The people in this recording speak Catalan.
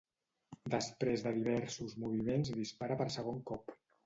Després de diversos moviments dispara per segon cop.